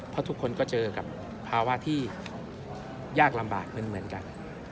เพราะทุกคนก็เจอกับภาวะที่ยากลำบากเหมือนกัน